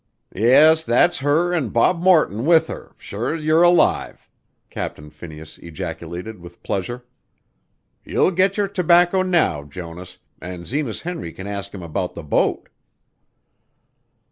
"Yes, that's her an' Bob Morton with her, sure's you're alive!" Captain Phineas ejaculated with pleasure. "You'll get your tobacco now, Jonas, an' Zenas Henry can ask him about the boat."